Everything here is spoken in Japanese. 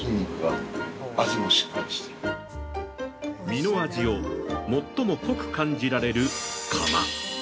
◆身の味を最も濃く感じられる「カマ」。